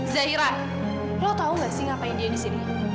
zaira lo tau gak sih ngapain dia disini